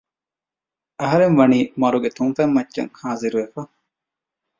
އަހަރެންވަނީ މަރުގެ ތުންފަތްމައްޗަށް ހާޒިރުވެފަ